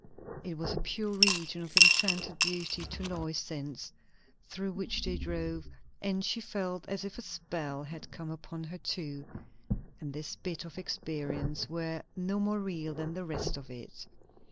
It was a pure region of enchanted beauty to Lois's sense, through which they drove; and she felt as if a spell had come upon her too, and this bit of experience were no more real than the rest of it.